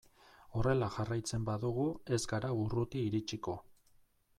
Horrela jarraitzen badugu ez gara urruti iritsiko.